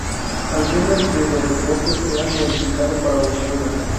Algunos de los deportes se han modificado para los Juegos.